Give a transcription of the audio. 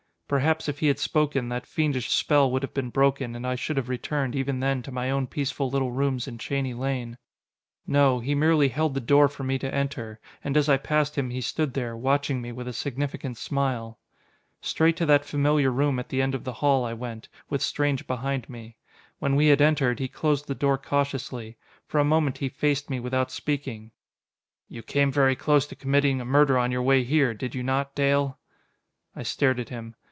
Perhaps, if he had spoken, that fiendish spell would have been broken, and I should have returned, even then, to my own peaceful little rooms in Cheney Lane. No he merely held the door for me to enter, and as I passed him he stood there, watching me with a significant smile. Straight to that familiar room at the end of the hall I went, with Strange behind me. When we had entered, he closed the door cautiously. For a moment he faced me without speaking. "You came very close to committing a murder on your way here, did you not, Dale?" I stared at him.